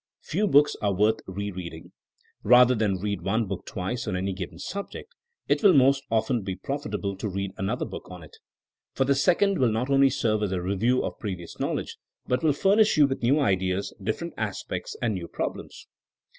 Few books are worth re reading. Bather than read one book twice on any given subject it will most THINEING AS A SCIENCE 181 often be more profitable to read another book on it. For the second will nol only serve as a review of previous knowledge, but will furnish you with new ideas, different aspects and new problems.